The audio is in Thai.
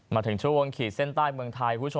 มาถึงช่วงขีดเซ่นใต้เมืองไทย